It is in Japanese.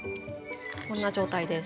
こんな状態です。